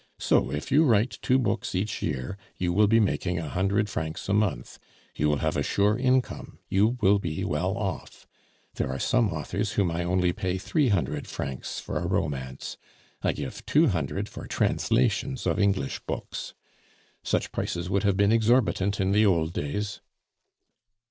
So, if you write two books each year, you will be making a hundred francs a month; you will have a sure income, you will be well off. There are some authors whom I only pay three hundred francs for a romance; I give two hundred for translations of English books. Such prices would have been exorbitant in the old days."